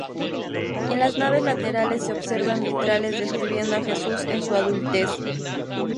En las naves laterales se observan vitrales describiendo a Jesús en su adultez.